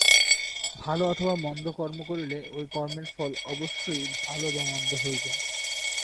ভাল অথবা মন্দ কর্ম করিলে ঐ কর্মের ফল অবশ্যই ভাল বা মন্দ হইবে।